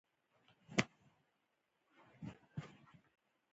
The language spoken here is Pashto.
احمد وويل: د اوبو غم نشته.